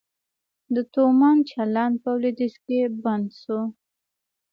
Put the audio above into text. د تومان چلند په لویدیځ کې بند شو؟